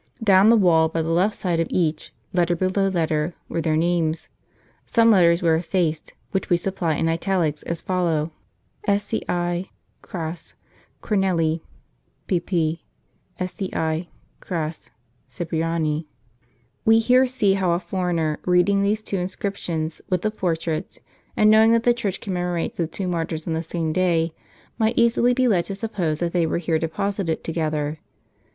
Down the wall, by the left side of each, letter below letter, were their names ; some let ters were effaced, which we supply in italics as follow : SI* CORivEL' PP SCI* PRMN^'* We here see how a foreigner, reading these two inscrip tions, with the portraits, and knowing that the Church com memorates the two martyrs on the same day, might easily be led to suppose that they were here deposited together.